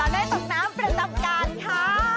ตอนนี้ตกน้ำประจำกานค่ะ